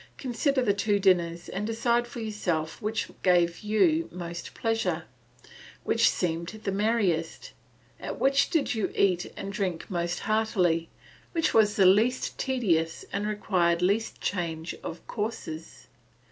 Consider the two dinners and decide for yourself which gave you most pleasure, which seemed the merriest, at which did you eat and drink most heartily, which was the least tedious and required least change of courses?